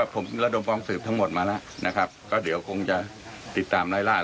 ผมระดมฟ้องสืบทั้งหมดมาแล้วนะครับก็เดี๋ยวคงจะติดตามไล่ล่า